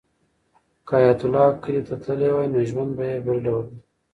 که حیات الله کلي ته تللی وای نو ژوند به یې بل ډول و.